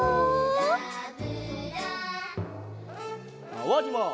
まわります。